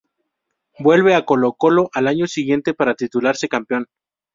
Vuelve a Colo-Colo al año siguiente para titularse campeón.